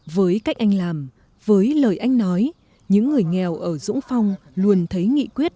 với cách anh làm với lời anh nói những người nghèo ở dũng phong luôn thấy nghị quyết